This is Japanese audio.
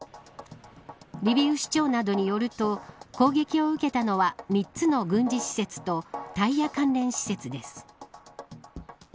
リビウ市長などによると攻撃を受けたのは３つの軍事施設とタイヤ関連施設です。